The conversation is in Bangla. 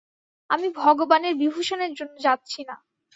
আমি ভগবানের বিভূষণের জন্য যাচ্ছি না।